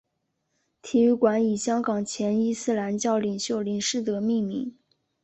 体育馆以香港前伊斯兰教领袖林士德命名。